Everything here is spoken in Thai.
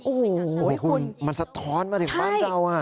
โอ้โหคุณมันสะท้อนมาถึงบ้านเรา